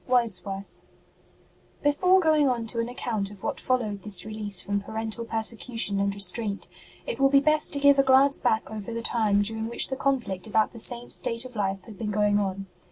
WORDSWORTH. jjEFORE going on to an account of what followed this release from parental per secution and restraint, it will be best to give a glance back over the time during which the conflict about the Saint s state of life had been going on.